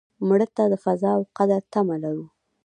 مړه ته د قضا او قدر تمه لرو